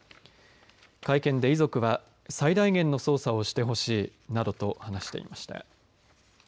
会見で遺族は最大限の捜査をしてほしいなどと話していました。